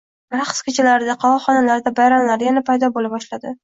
Raqs kechalarida, qovoqxonalarda, bayramlarda yana paydo bo`la boshladi